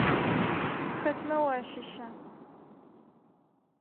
Хэтмэ уащыща?